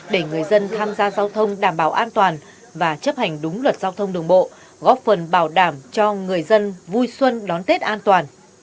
để người dân tham gia giao thông đảm bảo an toàn và chấp hành đúng luật giao thông đường bộ góp phần bảo đảm cho người dân vui xuân đón tết an toàn